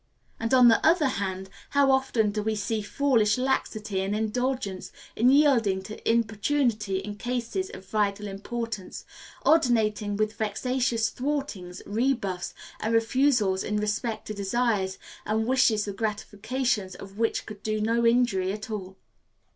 And on the other hand, how often do we see foolish laxity and indulgence in yielding to importunity in cases of vital importance, alternating with vexatious thwartings, rebuffs, and refusals in respect to desires and wishes the gratification of which could do no injury at all.